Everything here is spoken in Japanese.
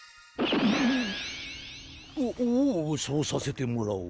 おっおうそうさせてもらおう。